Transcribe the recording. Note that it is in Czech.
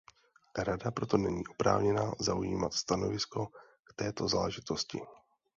Rada proto není oprávněná zaujímat stanovisko k této záležitosti.